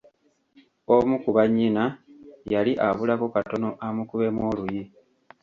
Omu ku bannyina yali abulako katono amukubemu oluyi!